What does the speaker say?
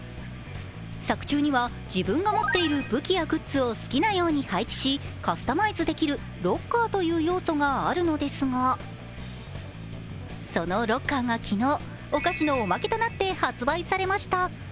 作中には、自分が持っているブキやグッズを好きなように配置し、カスタマイズできるロッカーという要素があるのですが、そのロッカーが昨日、お菓子のおまけとなって発売されました。